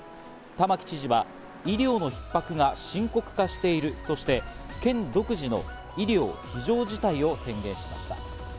玉城知事は医療のひっ迫が深刻化しているとして、県独自の医療非常事態を宣言しました。